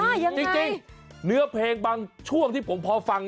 ยังไงจริงเนื้อเพลงบางช่วงที่ผมพอฟัง